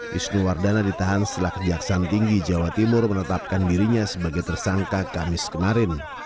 wisnu wardana ditahan setelah kejaksaan tinggi jawa timur menetapkan dirinya sebagai tersangka kamis kemarin